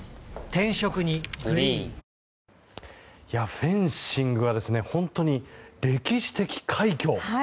フェンシングは本当に歴史的快挙。